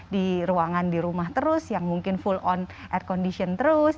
di ruangan di rumah terus yang mungkin full on air condition terus